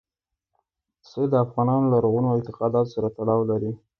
پسه د افغانانو له لرغونو اعتقاداتو سره تړاو لري.